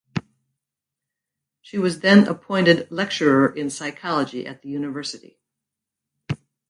She was then appointed lecturer in psychology at the University.